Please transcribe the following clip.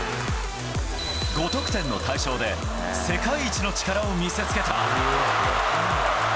５得点の快勝で、世界一の力を見せつけた。